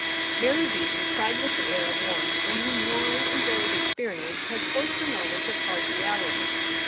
Mary Beaton sighed with the air of one on whom long and varied experience has forced the knowledge of hard realities.